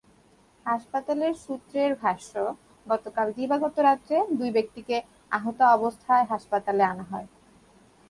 হাসপাতাল সূত্রের ভাষ্য, গতকাল দিবাগত রাতে দুই ব্যক্তিকে আহত অবস্থায় হাসপাতালে আনা হয়।